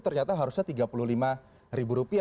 ternyata harusnya rp tiga puluh lima